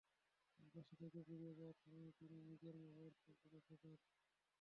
বাসা থেকে বেরিয়ে যাওয়ার সময় তিনি নিজের মোবাইল ফোনটি রেখে যান।